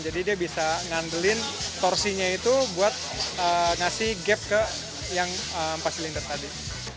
jadi dia bisa ngandelin torsinya itu buat ngasih gap ke yang empat silinder tadi